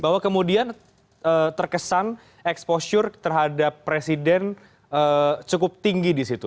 bahwa kemudian terkesan exposure terhadap presiden cukup tinggi di situ